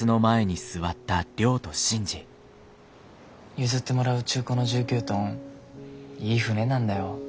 譲ってもらう中古の１９トンいい船なんだよ。